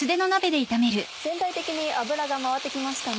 全体的に油が回って来ましたね。